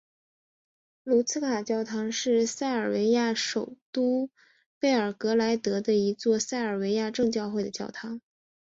卢茨卡教堂是塞尔维亚首都贝尔格莱德的一座塞尔维亚正教会的教堂。